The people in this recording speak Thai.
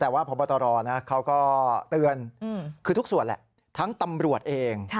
แต่ว่าพบตรเขาก็เตือนคือทุกส่วนแหละทั้งตำรวจเอง